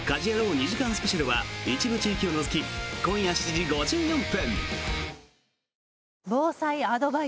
２時間スペシャルは一部地域を除き今夜７時５４分。